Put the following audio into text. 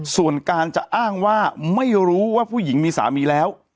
ส่วนการจะอ้างว่าไม่รู้ว่าผู้หญิงมีสามีแล้ว